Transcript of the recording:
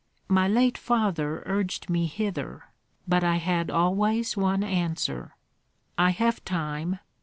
My late father urged me hither, but I had always one answer: 'I have time!